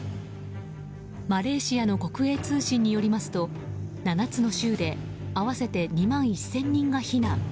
マレーシアの国営通信によりますと７つの州で合わせて２万１０００人が避難。